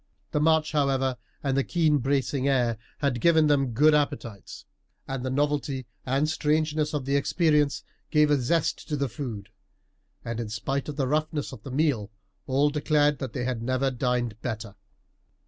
The march, however, and the keen bracing air had given them good appetites, and the novelty and strangeness of the experience gave a zest to the food; and in spite of the roughness of the meal, all declared that they had never dined better.